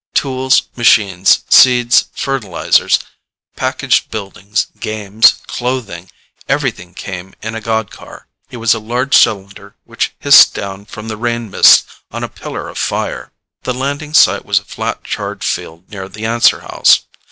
Tools, machines, seeds, fertilizers, packaged buildings, games, clothing everything came in a god car. It was a large cylinder which hissed down from the rain mist on a pillar of fire. The landing site was a flat, charred field near the answer house.